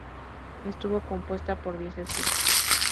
Estuvo compuesta por diez equipos.